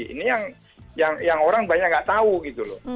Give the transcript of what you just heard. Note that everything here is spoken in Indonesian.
ini yang orang banyak nggak tahu gitu loh